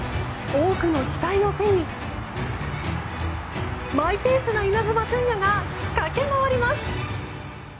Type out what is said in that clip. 多くの期待を背にマイペースなイナズマ純也が駆け回ります。